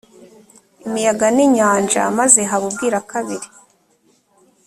imiyaga n inyanja maze haba ubwira kabiri